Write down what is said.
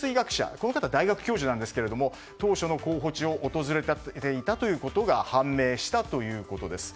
この方は大学教授なんですけど当初の候補地を訪れていたということが判明したということです。